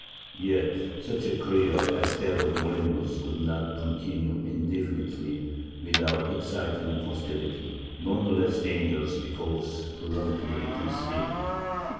Yet such a career as that of Molinos could not continue indefinitely without exciting hostility, none the less dangerous because prudently concealed.